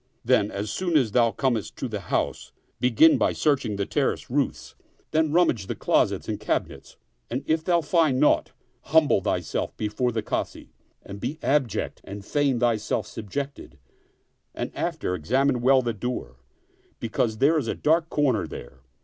Then, as soon as thou comest to the house, begin by searching the terrace roofs; then rummage the closets and cabinets ; and if thou find naught, humble thyself before the Kazi and be abject and feign thyself subjected, and after examine well the door, because there is a dark comer there.